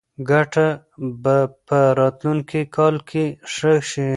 ګټه به په راتلونکي کال کې ښه شي.